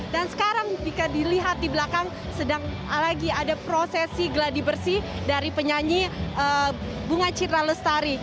dan sekarang jika dilihat di belakang sedang lagi ada prosesi geladi bersih dari penyanyi bunga cita lestari